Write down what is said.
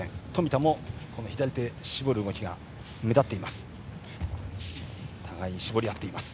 冨田も左手、絞る動きが目立っています。